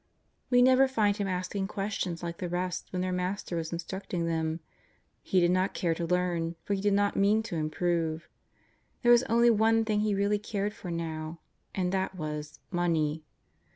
We never find him asking questions like the rest when their Master was instruct ing them. He did not care to learn, for he did not mean to improve. There was only one thing he really cared for now, and that was — money.